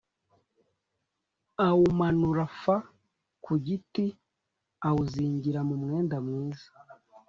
Awumanura f ku giti awuzingira mu mwenda mwiza